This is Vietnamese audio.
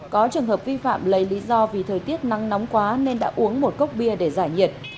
có trường hợp vi phạm lấy lý do vì thời tiết nắng nóng quá nên đã uống một cốc bia để giải nhiệt